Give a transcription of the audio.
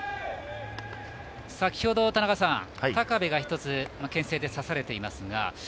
先ほど田中さん、高部がけん制で刺されました。